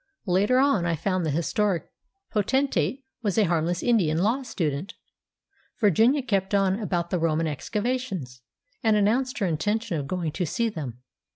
Later on I found the historic potentate was a harmless Indian law student. Virginia kept on about the Roman excavations, and announced her intention of going to see them.